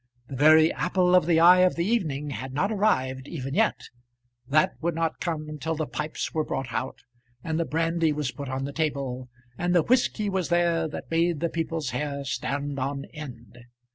The very apple of the eye of the evening had not arrived even yet. That would not come till the pipes were brought out, and the brandy was put on the table, and the whisky was there that made the people's hair stand on end.